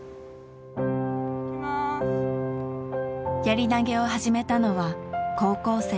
やり投げを始めたのは高校生。